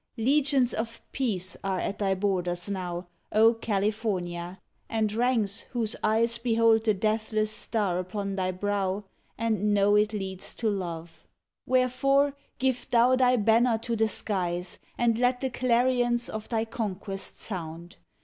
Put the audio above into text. Legions of peace are at thy borders now, O California, and ranks whose eyes Behold the deathless star upon thy brow And know it leads to love. ODE ON THE OPENING OF Wherefore, give thou thy banner to the skies, And let the clarions of thy conquest sound